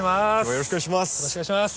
よろしくお願いします。